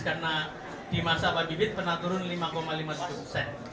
karena di masa pak bibit pernah turun lima lima puluh tujuh persen